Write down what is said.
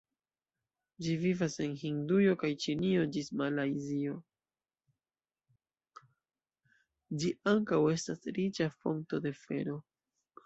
Ĝi ankaŭ estas riĉa fonto de fero.